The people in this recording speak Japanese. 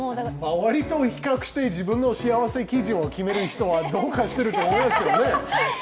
周りと比較して、自分の幸せ基準を決める人は、どうかしていると思いますけど。